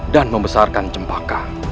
dan membesarkan cempaka